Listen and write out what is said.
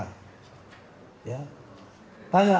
tanya pada yang punya kewenangan yang lain